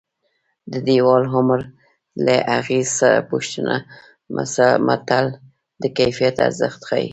د دېوال عمر له اخېړه پوښته متل د کیفیت ارزښت ښيي